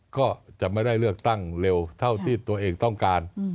ก็จะไม่ได้เลือกตั้งเร็วเท่าที่ตัวเองต้องการ